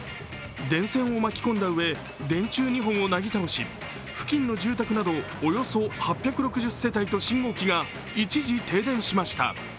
電線を巻き込んだ上、電柱２本をなぎ倒し、付近の住宅などおよそ８６０世帯と信号機が一時停電しました。